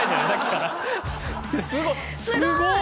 すごい。